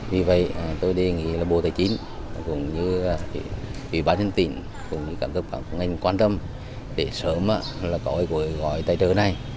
vì vậy tôi đề nghị bộ tài chính ubnd cảm ơn các ngành quan trọng để sớm gọi tài trợ này